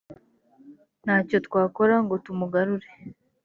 nta cyo twakora ngo tumugarure